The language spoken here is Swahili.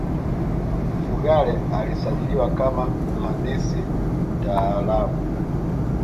Mfugale alisajiliwa kama muhandisi mtaalamu